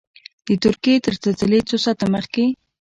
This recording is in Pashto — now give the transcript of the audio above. د ترکیې تر زلزلې څو ساعته مخکې.